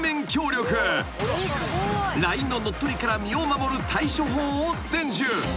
［ＬＩＮＥの乗っ取りから身を守る対処法を伝授］